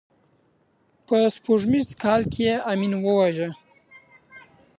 په سپوږمیز کال کې یې امین وواژه.